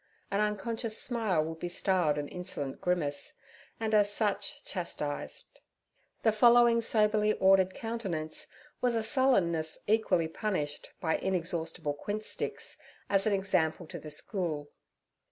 An unconscious smile would be styled an insolent grimace, and as such chastised; the following soberly ordered countenance was a sullenness equally punished, by inexhaustible quince sticks, as an example to the school.